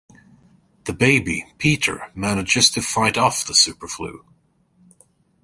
The baby, Peter, manages to fight off the Superflu.